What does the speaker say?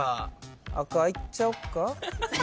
赤いっちゃおうか？